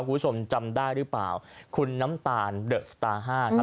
คุณผู้ชมจำได้หรือเปล่าคุณน้ำตาลเดอะสตาร์ห้าครับ